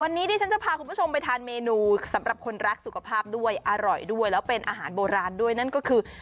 วันนี้ดิฉันจะพาคุณผู้ชมไปทานเมนูสำหรับคนรักสุขภาพด้วยอร่อยด้วยแล้วเป็นอาหารโบราณด้วยนั่นก็คือ